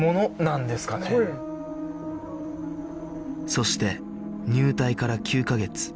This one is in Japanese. そして入隊から９カ月